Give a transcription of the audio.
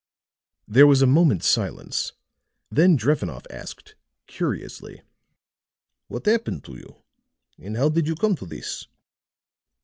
There was a moment's silence; then Drevenoff asked, curiously: "What happened to you? and how did you come to this?"